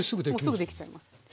もうすぐできちゃいます。